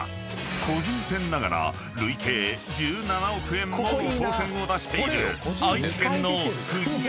［個人店ながら累計１７億円もの当せんを出している愛知県の］